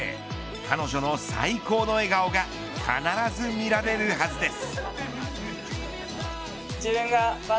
彼女の最高の笑顔が必ず見られるはずです。